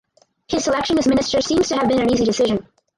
His selection as minister seems to have been an easy decision.